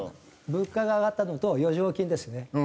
物価が上がったのと余剰金ですね